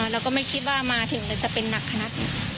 เราก็ไม่คิดว่ามาถึงแล้วจะเป็นหนักขนาดนี้